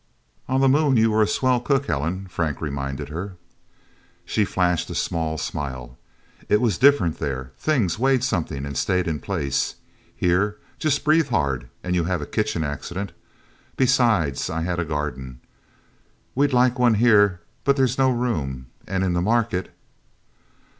"On the Moon you were a swell cook, Helen," Frank reminded her. She flashed a small smile. "It was different, there. Things weighed something, and stayed in place. Here just breathe hard and you have a kitchen accident. Besides, I had a garden. We'd like one here, but there's no room... And in the market..."